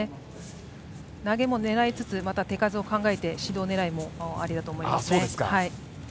投げも狙いつつまた手数を考えて指導狙いもありだと思います。